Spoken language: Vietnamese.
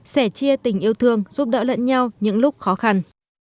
sẻ chia tình yêu thương giúp đỡ lẫn nhau những lúc khó khăn